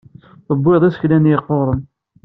Tebbiḍ isekla-nni yeqquren.